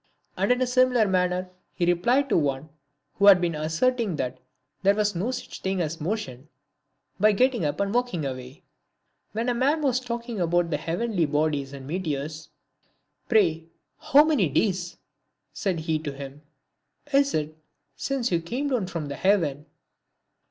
And in a similar manner he replied to one who had been asserting that there was no such thing as motion, by getting up and walking away. When a man was talking about the heavenly bodies and meteors, " Pray how many days," said he to him, " is it since you came down from heaven